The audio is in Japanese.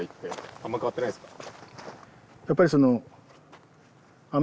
あんま変わってないですか？